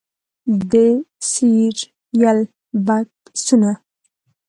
د سیریل بکسونو